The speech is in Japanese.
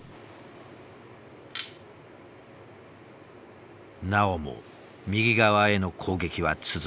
なおも右側への攻撃は続く。